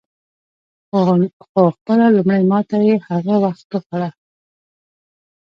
خو خپله لومړۍ ماته یې هغه وخت وخوړه.